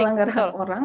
melanggar hak orang